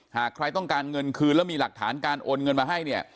หากใครต้องการเงินคืนแล้วมีหลักฐานการโอนเงินมาให้เนี่ย